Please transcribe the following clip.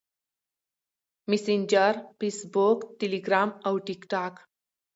- Facebook، Telegram، TikTok او Messenger